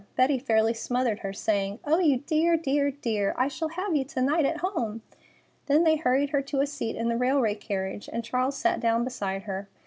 Betty fairly smothered her, saying: "Oh, you dear, dear, dear! I shall have you to night at home!" Then they hurried her to a seat in the railway carriage, and Charles sat down beside her.